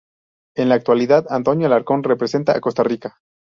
En la actualidad Antonio Alarcón representa a Costa Rica.